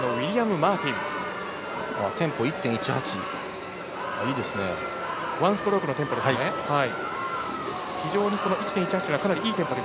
ワンストロークのテンポが。